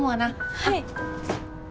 はい！